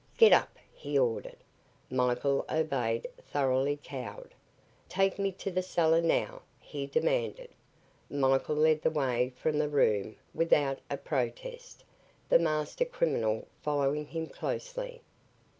"Get up!" he ordered. Michael obeyed, thoroughly cowed. "Take me to the cellar, now," he demanded. Michael led the way from the room without a protest, the master criminal following him closely.